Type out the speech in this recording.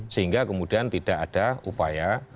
sehingga kemudian tidak ada upaya